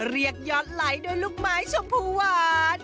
เรียกยอดไลค์ด้วยลูกไม้ชมพูหวาน